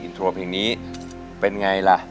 อินโทรเพลงนี้เป็นไงล่ะ